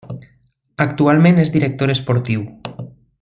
Actualment és director esportiu.